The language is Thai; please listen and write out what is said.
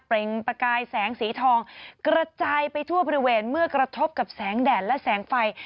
ประกายแสงสีทองกระจายไปทั่วบริเวณเมื่อกระทบกับแสงแดดและแสงไฟ